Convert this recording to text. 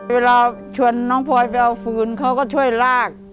เวลาชวนน้องพลอยไปเอาฝืนเขาก็ช่วยลาก